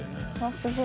すごい。